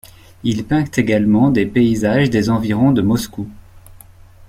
Il peint également des paysages des environs de Moscou.